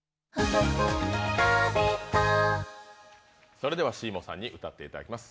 それではＳＥＡＭＯさんに歌っていただきます。